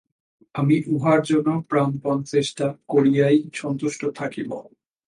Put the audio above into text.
আমি উহার জন্য প্রাণপণ চেষ্টা করিয়াই সন্তুষ্ট থাকিব।